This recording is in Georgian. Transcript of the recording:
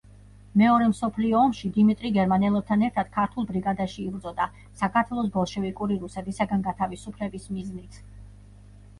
მეორე მსოფლიო ომში დიმიტრი გერმანელებთან ერთად ქართულ ბრიგადაში იბრძოდა საქართველოს ბოლშევიკური რუსეთისაგან გათავისუფლების მიზნით.